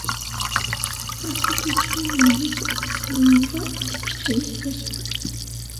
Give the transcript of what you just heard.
Hashiguchi mainly focuses on unusual occupations or sports.